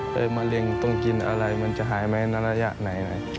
มะเร็งต้องกินอะไรมันจะหายไหมในระยะไหน